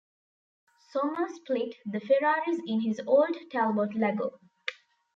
Sommer split the Ferraris in his old Talbot-Lago.